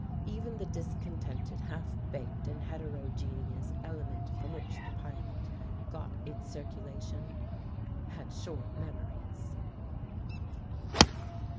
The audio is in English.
Even the discontented, half baked and heterogeneous element from which the Pilot got its circulation had short memories.